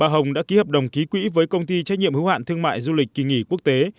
hà nội đã ký quỹ với công ty trách nhiệm hữu hạn thương mại du lịch kỳ nghỉ quốc tế